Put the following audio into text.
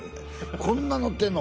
こんな載ってんの？